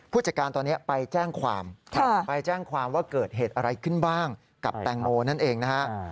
ผู้จัดการตอนนี้ไปแจ้งความไปแจ้งความว่าเกิดเหตุอะไรขึ้นบ้างกับแตงโมนั่นเองนะฮะ